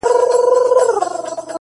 • مجبورۍ پر خپل عمل کړلې پښېمانه,